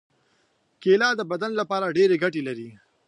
کېله د بدن لپاره ډېرې ګټې لري.